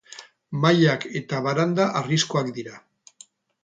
Mailak eta baranda harrizkoak dira.